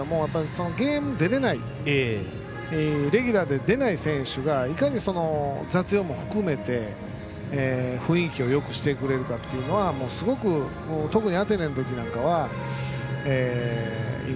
ゲームに出られないレギュラーで出ない選手がいかに雑用も含め雰囲気をよくしてくれるかというのがポイントなんですね。